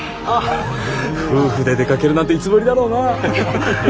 夫婦で出かけるなんていつぶりだろうな。